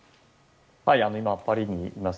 今、パリにいます。